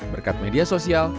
berkat media sosial